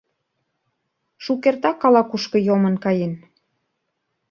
Шукертак ала-кушко йомын каен.